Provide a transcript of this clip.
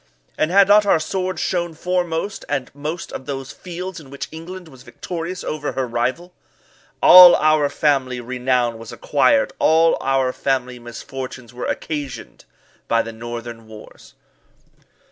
And had not our swords shone foremost at most of those fields in which England was victorious over her rival? All our family renown was acquired all our family misfortunes were occasioned by the northern wars.